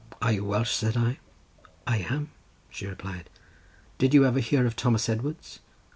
"Are you Welsh?" said I. "I am," she replied. "Did you ever hear of Thomas Edwards?"